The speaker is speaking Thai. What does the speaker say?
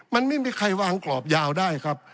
มันไม่มีใครวางกรอบยาวได้ครับ